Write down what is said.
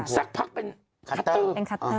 สักพักเป็นคัตเตอร์